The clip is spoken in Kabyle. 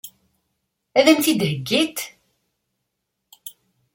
Ad m-t-id-heggint?